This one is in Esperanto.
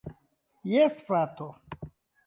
Jes, frato.